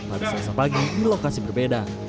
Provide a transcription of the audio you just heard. pada selasa pagi di lokasi berbeda